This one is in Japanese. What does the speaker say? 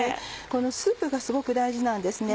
このスープがすごく大事なんですね。